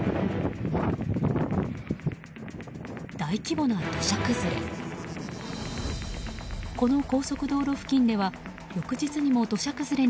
大規模な土砂崩れ。